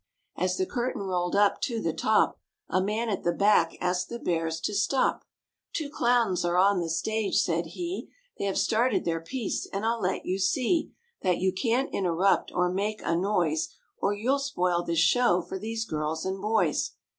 As the curtain rolled up to the top A man at the back asked the Bears to stop: "Two clowns are on the stage," said he, " They have started their piece and I'll let you see That you can't interrupt or make a noise Or you'll spoil this show for these girls and boys."